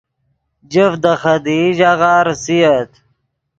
جفت دے خدیئی ژاغہ ریسییت